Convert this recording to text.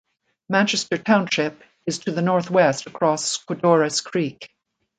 Manchester Township is to the northwest across Codorus Creek.